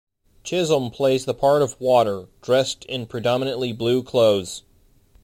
Chisholm plays the part of water, dressed in predominantly blue clothes.